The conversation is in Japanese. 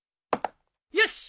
よし！